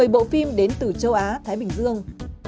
một mươi bộ phim đến từ châu á thái bình dương